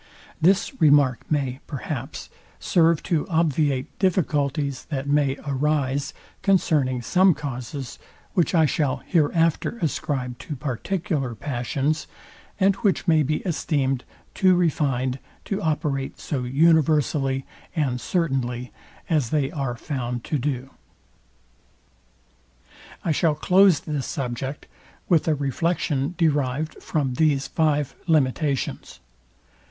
This remark may, perhaps, serve to obviate difficulties, that mayarise concerning some causes, which I shall hereafter ascribe to particular passions, and which may be esteemed too refined to operate so universally and certainly, as they are found to do. I shall close this subject with a reflection derived from these five limitations.